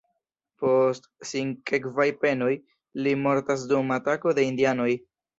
Post sinsekvaj penoj, li mortas dum atako de indianoj.